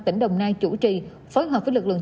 tỉnh đồng nai chủ trì phối hợp với lực lượng